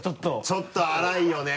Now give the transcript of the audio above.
ちょっと荒いよね